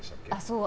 そう。